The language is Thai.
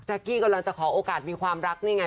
กี้กำลังจะขอโอกาสมีความรักนี่ไง